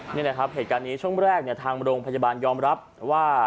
นี่แหละครับเหตุการณ์นี้ช่วงแรกทางโรงพยาบาลยอมรับว่า